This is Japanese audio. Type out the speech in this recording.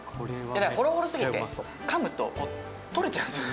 ホロホロすぎて噛むととれちゃうんですよね